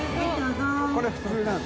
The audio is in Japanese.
これ普通なの。